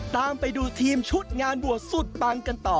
ตามไปดูทีมชุดงานบวชสุดปังกันต่อ